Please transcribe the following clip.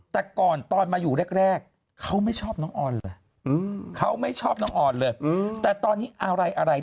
แต่ก่อนตอนมาอยู่แรกเขาไม่ชอบน้องออนเลยเขาไม่ชอบน้องออนเลยแต่ตอนนี้อะไรอะไร